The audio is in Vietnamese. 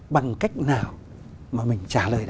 bằng cách nào mà mình trả lời